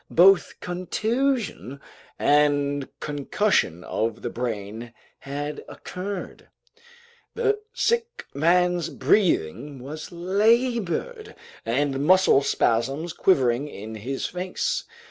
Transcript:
Both contusion and concussion of the brain had occurred. The sick man's breathing was labored, and muscle spasms quivered in his face.